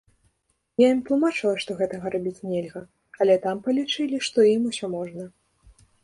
Я ім тлумачыла, што гэтага рабіць нельга, але там палічылі, што ім усё можна.